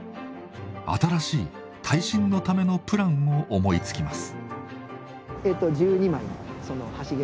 新しい耐震のためのプランを思いつきます。